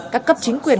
các cấp chính quyền